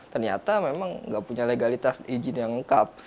ternyata memang nggak punya legalitas izin yang lengkap